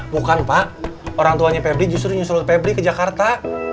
bukan pak orangtuanya pebri justru nyusul pebri ke jakarta